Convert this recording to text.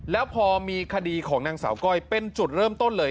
แล้วพอมีคดีของนางสาวก้อยเป็นจุดเริ่มต้นเลย